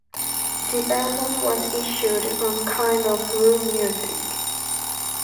The album was issued on Kind of Blue Music.